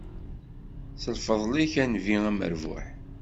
S lfeḍl n Nnbi amerbuḥ.